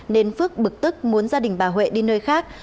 nên phước bực tức muốn gia đình bà huệ đi nơi khác